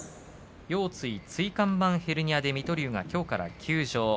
腰椎椎間板ヘルニアで水戸龍がきょうから休場。